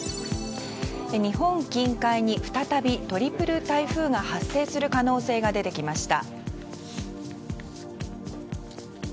日本近海に再びトリプル台風が発生する可能性が出てきました。